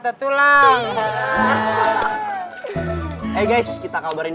tahun ini gue bakal ikutan